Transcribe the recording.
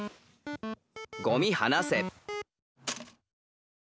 「ゴミはなせ」。